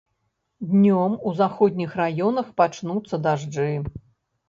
Днём у заходніх раёнах пачнуцца дажджы.